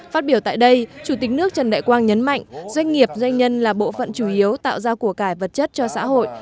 phát biểu tại đây chủ tịch nước trần đại quang nhấn mạnh doanh nghiệp doanh nhân là bộ phận chủ yếu tạo ra của cải vật chất cho xã hội